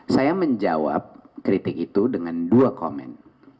saya menjawab kritik itu dengan dua komen